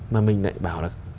mà mình lại bảo là